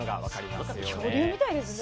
なんか恐竜みたいですね。